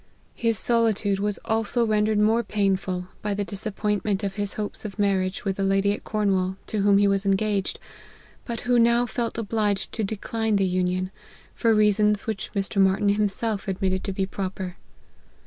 His solitude was also rendered more painful, by the disappointment of his hopes of marriage with the lady at Cornwall, to whom he was engaged, but who now felt obliged to decline the union, for reasons which Mr. Martyn himself admitted to be proper.